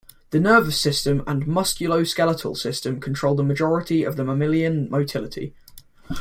The nervous system and musculoskeletal system control the majority of mammalian motility.